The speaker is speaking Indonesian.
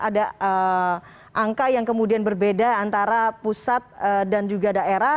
ada angka yang kemudian berbeda antara pusat dan juga daerah